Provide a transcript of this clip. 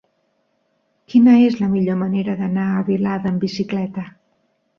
Quina és la millor manera d'anar a Vilada amb bicicleta?